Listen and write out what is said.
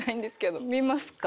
見ますか？